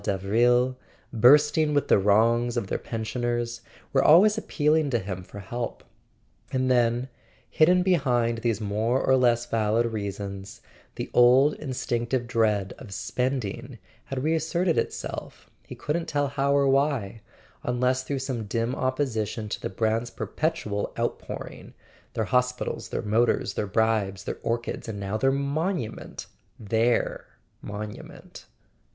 Davril, bursting with the wrongs of their pensioners, were always appealing to him for help. And then, hidden behind these more or less valid [ 416 ] A SON AT THE FRONT reasons, the old instinctive dread of spending had re¬ asserted itself, he couldn't tell how or why, unless through some dim opposition to the Brants' perpetual outpouring: their hospitals, their motors, their bribes, their orchids, and now their monument —their monu¬ ment